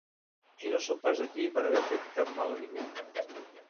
I no som pas aquí per haver fet cap mal a ningú.